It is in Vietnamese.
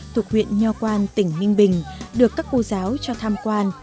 thuộc huyện nho quang tỉnh minh bình được các cô giáo cho tham quan